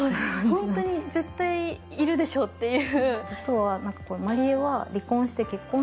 本当に絶対いるでしょうっていう。